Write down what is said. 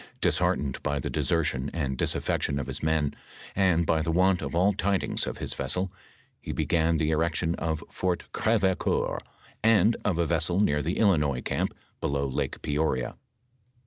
Disheart ened by the desertion and disaffection of his men, and by the want of all tidings of his vessel, he began the erection of Fort GrevecoBur, and of a vessel near the Illinois camp below Lake Peoria.